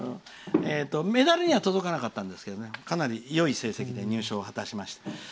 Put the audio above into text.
メダルには届かなかったんですけどかなりいい成績で入賞を果たしました。